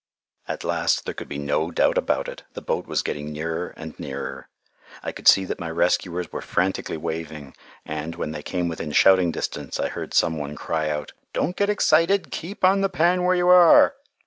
At last there could be no doubt about it: the boat was getting nearer and nearer. I could see that my rescuers were frantically waving, and, when they came within shouting distance, I heard some one cry out, "Don't get excited. Keep on the pan where you are."